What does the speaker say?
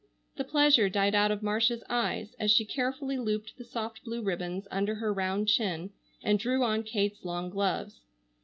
The pleasure died out of Marcia's eyes as she carefully looped the soft blue ribbons under her round chin and drew on Kate's long gloves.